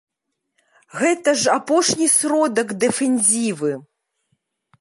Гэта ж апошні сродак дэфензівы!